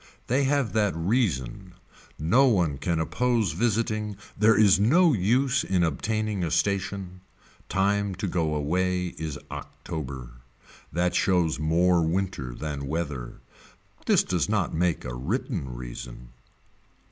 They have that reason, no one can oppose visiting, there is no use in obtaining a station. Time to go away is October. That shows more winter than weather. This does make a written reason.